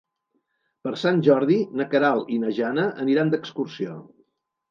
Per Sant Jordi na Queralt i na Jana aniran d'excursió.